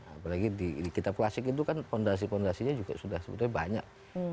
apalagi di kitab klasik itu kan fondasi fondasinya juga sudah sebetulnya banyak